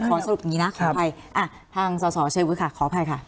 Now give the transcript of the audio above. ขอสรุปอย่างงี้นะขออภัยอ่ะทางสอสอเชิญพูดค่ะขออภัยค่ะ